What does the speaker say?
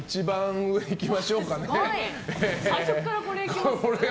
最初からこれいきます？